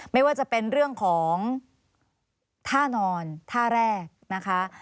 ไม่ว่าจะเป็นเรื่องของท่านอนท่าแรกนะคะ